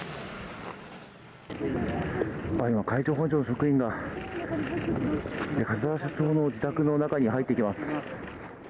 海上保安庁の職員が桂田社長の自宅の中に入っていきます。